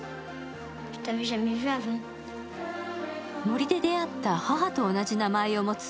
森で出会った母と同じ名前を持つ